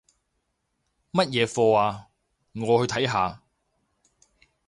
乜嘢課吖？我去睇下